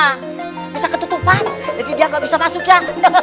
hahaha hebatnya gini mah bisa ketutupan jadi dia nggak bisa masuknya